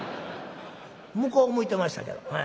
向こう向いてましたけど。